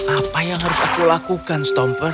apa yang harus aku lakukan stomper